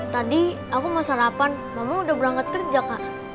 tadi aku mau sarapan mama udah berangkat kerja kak